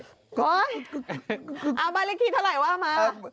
เอาบ้านเลขที่เท่าไหร่ว่ามา